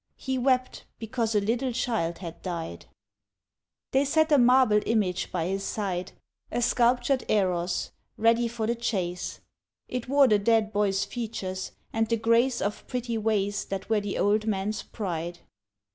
He wept, because a little child had died. They set a marble image by his side, A sculptured Eros, ready for the chase; It wore the dead boy's features, and the grace Of pretty ways that were the old man's pride.